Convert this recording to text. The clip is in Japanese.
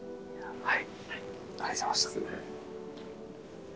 はい。